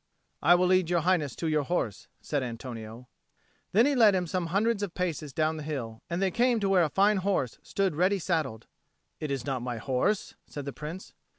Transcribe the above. "I will lead Your Highness to your horse," said Antonio. Then he led him some hundreds of paces down the hill, and they came where a fine horse stood ready saddled. "It is not my horse," said the Prince.